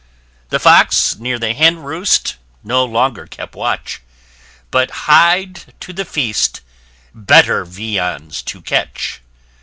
The Fox, near the hen roost, no longer kept watch, But hied to the feast, better viands to catch.